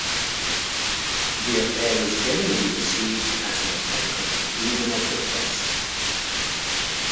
The affair was generally received as an attack on the freedom of the press.